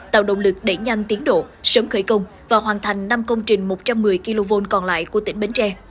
tạo động lực để nhanh tiến độ sớm khởi công và hoàn thành năm công trình một trăm một mươi kv còn lại của tỉnh bến tre